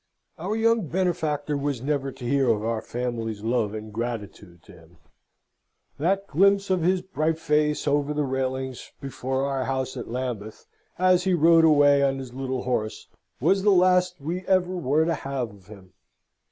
Our young benefactor was never to hear of our family's love and gratitude to him. That glimpse of his bright face over the railings before our house at Lambeth, as he rode away on his little horse, was the last we ever were to have of him.